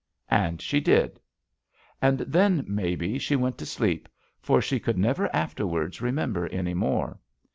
And she did. And then, maybe, she went to sleep, for she could never afterwards remember any more.